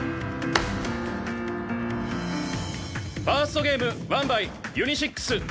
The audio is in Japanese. ファーストゲームワンバイユニシックス。